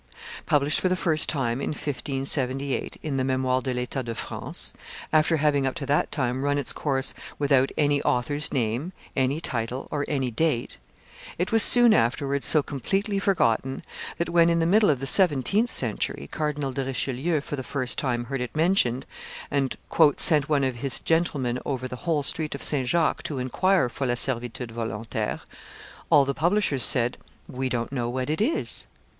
Published for the first time, in 1578, in the Memoires de l'Etat de France, after having up to that time run its course without any author's name, any title, or any date, it was soon afterwards so completely forgotten that when, in the middle of the seventeenth century, Cardinal de Richelieu for the first time heard it mentioned, and "sent one of his gentlemen over the whole street of Saint Jacques to inquire for la Servitude volontaire, all the publishers said, 'We don't know what it is.